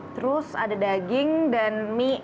terus ada daging dan mie